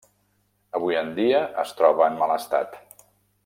Avui en dia es troba en mal estat.